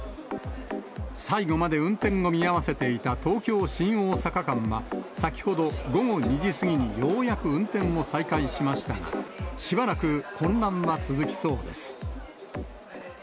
最後まで運転を見合わせていた東京・新大阪間は、先ほど午後２時過ぎにようやく運転を再開しましたが、しばらく混乱は続きそうです。